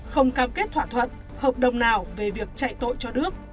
không cam kết thỏa thuận hợp đồng nào về việc chạy tội cho đức